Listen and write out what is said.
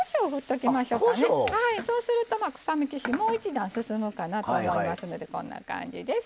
そうすると臭み消しもう一段進むかなと思いますのでこんな感じです。